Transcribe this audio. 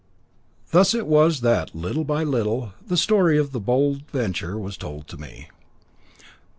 Thus it was that, little by little, the story of the ship Bold Venture was told me.